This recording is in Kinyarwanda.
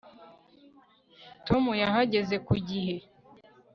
Tom yahageze ku gihe